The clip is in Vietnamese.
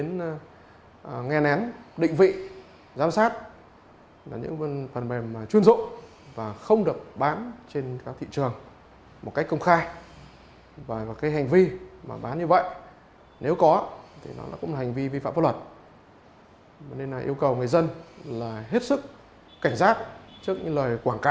nên là yêu cầu người dân là hết sức cảnh giác trước những lời quảng cáo